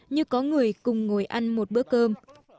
như có người cùng ngồi ăn một bữa cơm